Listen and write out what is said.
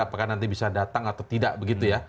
apakah nanti bisa datang atau tidak begitu ya